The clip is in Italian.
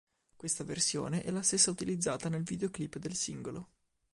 Questa versione è la stessa utilizzata nel videoclip del singolo.